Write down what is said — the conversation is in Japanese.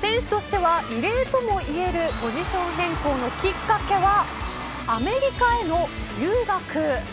選手としては異例ともいえるポジション変更のきっかけはアメリカへの留学。